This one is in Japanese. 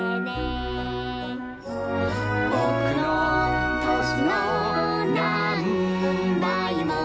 「ぼくのとしのなんばいも」